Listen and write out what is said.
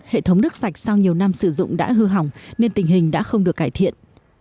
hệ thống nước sạch sau nhiều năm sử dụng đã hư hỏng nên tình hình đã không được cải thiện